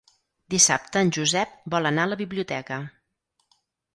Dissabte en Josep vol anar a la biblioteca.